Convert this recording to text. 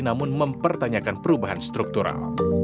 namun mempertanyakan perubahan struktural